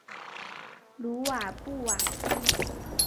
鲁瓦布瓦西。